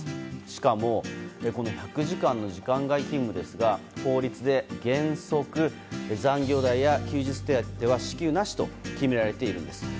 しかも、この１００時間の時間外勤務ですが法律で原則残業代や休日手当は支給なしと決められているんです。